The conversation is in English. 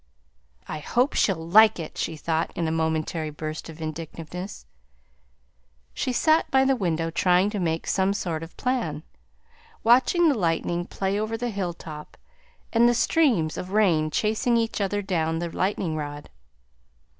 "I hope she'll like it!" she thought in a momentary burst of vindictiveness. She sat by the window trying to make some sort of plan, watching the lightning play over the hilltop and the streams of rain chasing each other down the lightning rod.